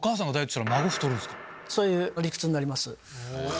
そういう理屈になります。